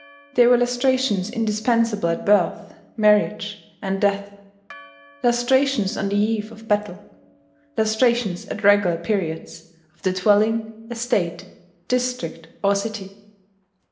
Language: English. There were lustrations indispensable at birth, marriage, and death; lustrations on the eve of battle; lustrations at regular periods, of the dwelling, estate, district, or city.